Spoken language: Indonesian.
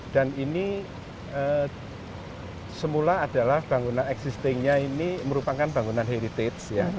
dan ini semula adalah bangunan existingnya ini merupakan bangunan heritage ya